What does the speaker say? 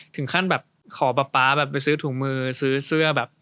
ถึงขั้นแบบขอป๊าป๊าแบบไปซื้อถุงมือซื้อเสื้อแบบ